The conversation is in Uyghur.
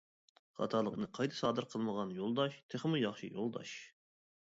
خاتالىقنى قايتا سادىر قىلمىغان يولداش تېخىمۇ ياخشى يولداش.